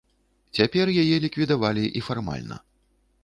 Цяпер яе ліквідавалі і фармальна.